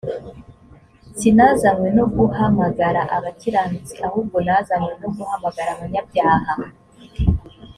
sinazanywe no guhamagara abakiranutsi ahubwo nazanywe no guhamagara abanyabyaha.